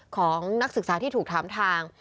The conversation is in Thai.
ของนักศึกษาที่ถูกถามทาง